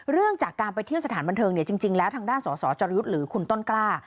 เรื่องจากการไปเที่ยวสถานบันเทิงเนี่ยจริงแล้วทางด้านสสจรยุทธ์หรือคุณต้นกล้า